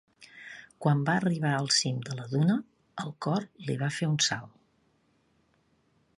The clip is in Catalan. Quan va arribar al cim de la duna, el cor li va fer un salt.